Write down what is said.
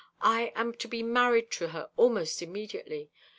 I am to be married to her almost immediately.